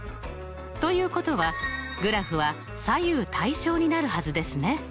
ということはグラフは左右対称になるはずですね。